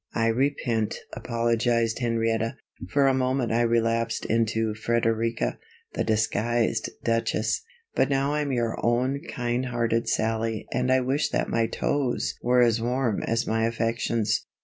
"I repent," apologized Henrietta. "For a moment I relapsed into Frederika, the Disguised Duchess; but now I'm your own kind hearted Sallie and I wish that my toes were as warm as my affections.